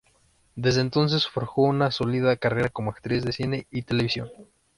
Desde entonces forjó una sólida carrera como actriz de cine y televisión.